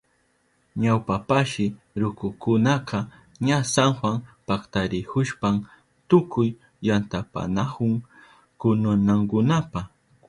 Ñawpashi rukukunaka ña San Juan paktarihushpan tukuy yantapayanahun kununankunapa.